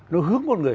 nó hướng con người